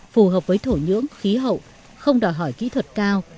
phù hợp với thổ nhưỡng khí hậu không đòi hỏi kỹ thuật cao